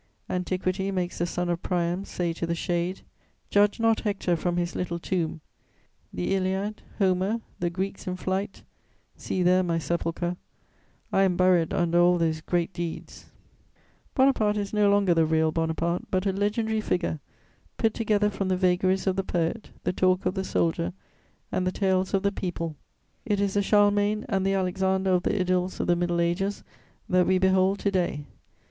Antiquity makes the son of Priam say to the shade: "Judge not Hector from his little tomb; the Iliad, Homer, the Greeks in flight, see there my sepulchre: I am buried under all those great deeds." [Sidenote: The Napoleonic legend.] Bonaparte is no longer the real Bonaparte, but a legendary figure put together from the vagaries of the poet, the talk of the soldier and the tales of the people; it is the Charlemagne and the Alexander of the idylls of the middle ages that we behold to day.